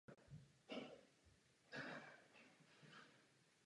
V tomto způsobu není žádné milosrdenství.